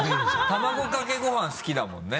卵かけご飯好きだもんね？